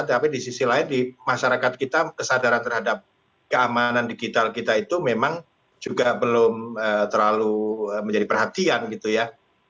tapi di sisi lain di masyarakat kita kesadaran terhadap keamanan digital kita itu memang juga belum terlalu menjadi perhatian gitu ya